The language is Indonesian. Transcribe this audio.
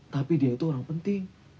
tapi dia itu orang penting